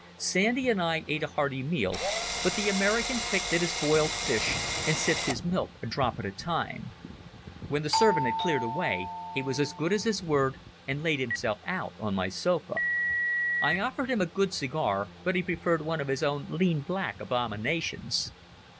Sandy and I ate a hearty meal, but the American picked at his boiled fish and sipped his milk a drop at a time. When the servant had cleared away, he was as good as his word and laid himself out on my sofa. I offered him a good cigar, but he preferred one of his own lean black abominations.